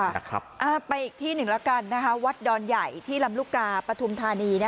ไปอีกที่หนึ่งแล้วกันนะคะวัดดอนใหญ่ที่ลำลูกกาปฐุมธานี